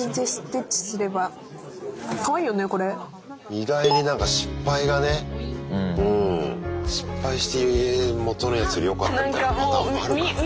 意外になんか失敗がねうん失敗して元のやつよりよかったみたいなパターンもあるからな。